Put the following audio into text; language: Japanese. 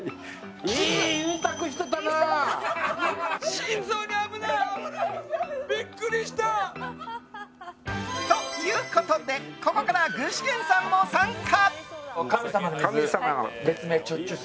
心臓に危ない！ということでここから具志堅さんも参加。